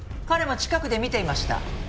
彼も近くで見ていました。